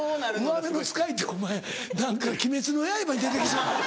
上目の遣いってお前何か『鬼滅の刃』に出て来そう。